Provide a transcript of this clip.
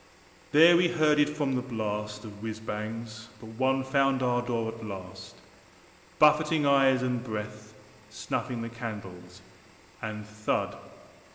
... There we herded from the blast Of whizz bangs, but one found our door at last. Buffeting eyes and breath, snuffing the candles. And thud!